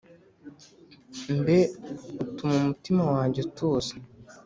Mbe utuma umutima wanjye utuza